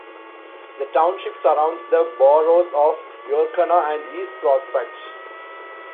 The township surrounds the boroughs of Yorkana and East Prospect.